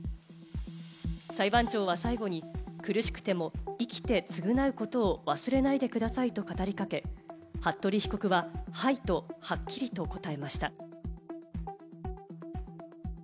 裁判長は最後に苦しくても生きて償うことを忘れないでくださいと語りかけ、服部被告は、はいとはっきりと答えました。